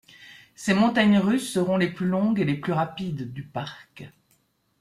Ces montagnes russes seront les plus longues et les plus rapides du parc.